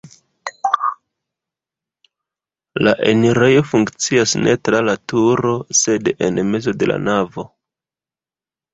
La enirejo funkcias ne tra la turo, sed en mezo de la navo.